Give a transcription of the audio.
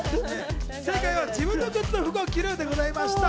正解は自分のグッズの服を着るでした。